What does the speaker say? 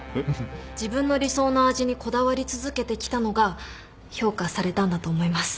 自分の理想の味にこだわり続けてきたのが評価されたんだと思います。